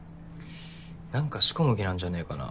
何か仕込む気なんじゃねぇかな。